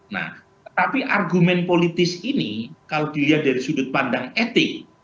nah tapi argumen politis ini kalau dilihat dari sudut pandang etik